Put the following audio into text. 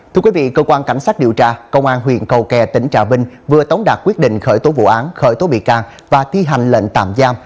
thưa quý vị cơ quan cảnh sát điều tra công an huyện cầu kè tỉnh trà vinh vừa tống đạt quyết định khởi tố vụ án khởi tố bị can và thi hành lệnh tạm giam